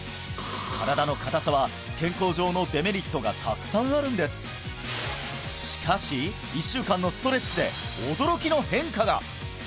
身体の硬さは健康上のデメリットがたくさんあるんですしかし一週間のストレッチで驚きの変化が！